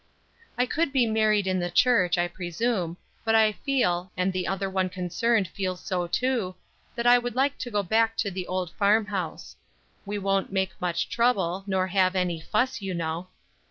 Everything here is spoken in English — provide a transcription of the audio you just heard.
"I could be married in the church, I presume, but I feel, and the other one concerned feels so too, that I would like to go back to the old farm house. We won't make much trouble, nor have any fuss, you know.